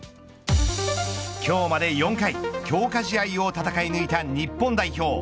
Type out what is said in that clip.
今日まで４回強化試合を戦い抜いた日本代表。